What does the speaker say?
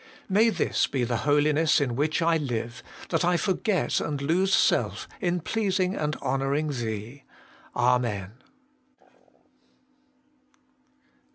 May this be the holiness in which I live, that I forget and lose self in pleasing and honouring Thee. Amen.